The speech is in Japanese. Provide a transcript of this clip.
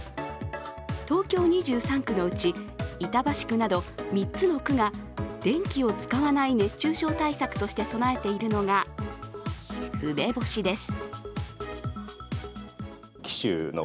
東京２３区のうち、板橋区など３つの区が電気を使わない熱中症対策として備えているのが、梅干しです。